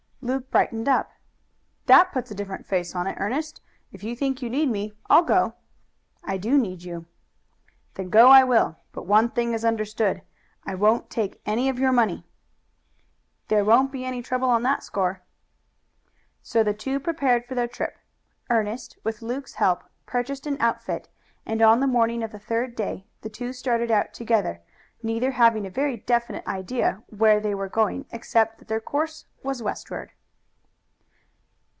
Luke brightened up. "That puts a different face on it, Ernest. If you think you need me, I'll go." "I do need you." "Then go I will, but one thing is understood: I won't take any of your money." "There won't be any trouble on that score." So the two prepared for their trip. Ernest, with Luke's help, purchased an outfit, and on the morning of the third day the two started out together, neither having a very definite idea where they were going except that their course was westward.